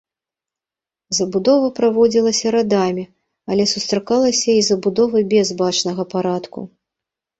Забудова праводзілася радамі, але сустракалася і забудова без бачнага парадку.